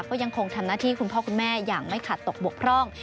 ก็ยังคงทำหน้าที่คุณพ่อคุณแม่อย่างไม่ขาดตกบกพร่อง